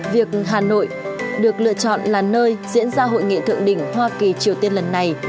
việc hà nội được lựa chọn là nơi diễn ra hội nghị thượng đỉnh hoa kỳ triều tiên lần này